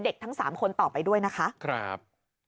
ทั้ง๓คนต่อไปด้วยนะคะครับ